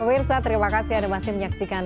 irsa terima kasih hanya masih menyaksikan